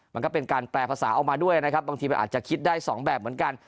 มันก็เป็นการแปลภาษาออกมาด้วยนะครับบางทีมันอาจจะคิดได้สองแบบเหมือนกัน